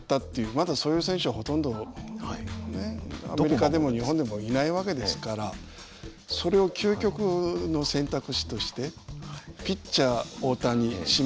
まだそういう選手はほとんどアメリカでも日本でもいない訳ですからそれを究極の選択肢としてピッチャー大谷指名打者大谷。